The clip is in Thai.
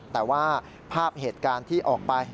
แต่ว่าภาพเหตุการณ์ที่ออกไป